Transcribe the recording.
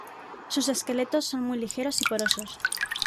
Sus esqueletos son muy ligeros y porosos.